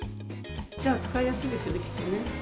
じゃあ、使いやすいですよね、きっとね。